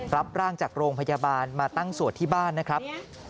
รับร่างจากโรงพยาบาลมาตั้งสวดที่บ้านนะครับ